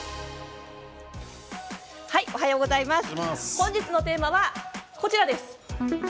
本日のテーマはこちらです。